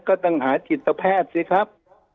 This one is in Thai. ก็ต้องหาจิตแพทย์สิครับ